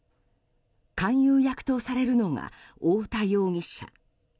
勧誘役とされるのが太田容疑者。